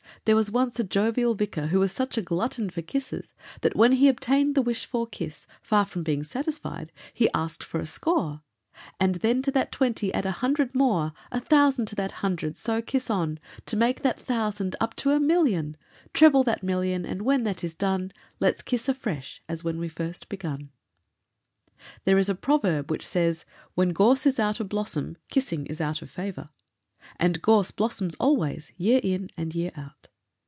There was once a jovial vicar who was such a glutton for kisses, that when he obtained the wished for kiss, far from being satisfied he asked for a score; and Then to that twenty add a hundred more, A thousand to that hundred; so kiss on To make that thousand up to a million; Treble that million, and when that is done, Let's kiss afresh, as when we first begun. There is a proverb which says: "When gorse is out of blossom, kissing is out of favor;" and gorse blossoms always, year in and year out.